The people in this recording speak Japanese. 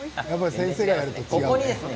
先生がやると全然違うね。